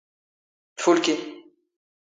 ⵜⴼⵓⵍⴽⵉⵎ.